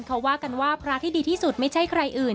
เขาว่ากันว่าพระที่ดีที่สุดไม่ใช่ใครอื่น